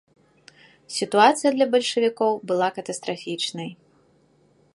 Сітуацыя для бальшавікоў была катастрафічнай.